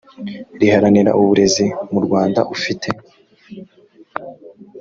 riharanira uburezi mu rwanda ufite